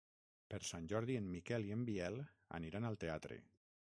Per Sant Jordi en Miquel i en Biel aniran al teatre.